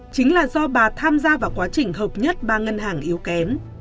chính là do bà tham gia vào quá trình hợp nhất ba ngân hàng yếu kém